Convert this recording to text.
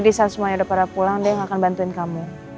disaat semuanya udah pada pulang dia gak akan bantuin kamu